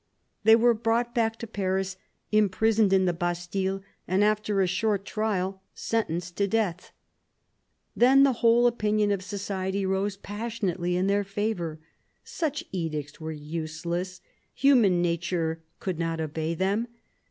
They were brought back to Paris, imprisoned in the Bastille, and after a short trial sentenced to death. Then the whole opinion of society rose passionately in their favour. Such edicts were useless ; human nature could not obey them.